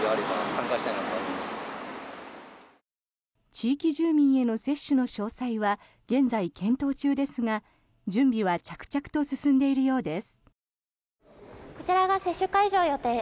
地域住民への接種の詳細は現在、検討中ですが準備は着々と進んでいるようです。